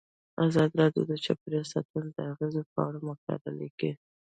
ازادي راډیو د چاپیریال ساتنه د اغیزو په اړه مقالو لیکلي.